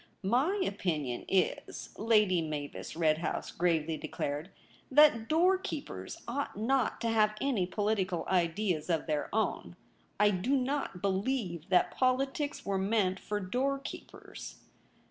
'My opinion Is,' Lady Mavis Redhouse gravely declared, ' that doorkeepers ought not to have any political ideas of their own. I do not believe that politics were meant for doorkeepers.'